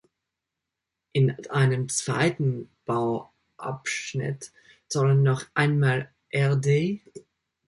In einem zweiten Bauabschnitt sollen noch einmal rd.